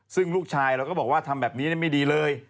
ซึ่งลูกชายเราก็บอกว่าทำแบบนี้ไม่ดีเลย